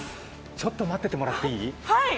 ちょっと待っててもらっいい？